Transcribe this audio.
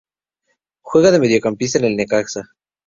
Juega de Mediocampista en el Necaxa.